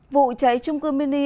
vụ cháy trung cư mini